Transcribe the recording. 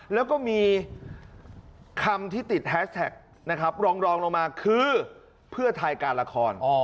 แล้วก็มีคำที่ติดแฮสแท็กนะครับรองลงมาคือเพื่อไทยการละคร